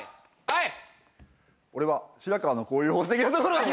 はい。